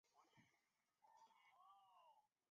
据说它发源自土耳其的卡赫拉曼马拉什。